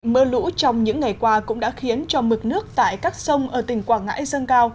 mưa lũ trong những ngày qua cũng đã khiến cho mực nước tại các sông ở tỉnh quảng ngãi dâng cao